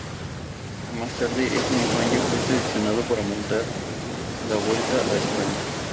Más tarde ese mismo año, fue seleccionado para montar en la Vuelta a España.